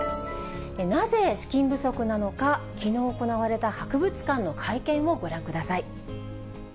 なぜ資金不足なのか、きのう行われた博物館の会見をご覧ください。